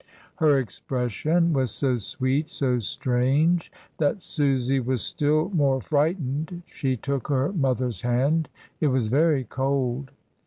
Her expression was so sweet, so strange, that Susy was still more frightened — she took her mother's hand; it was very cold.